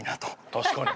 確かに。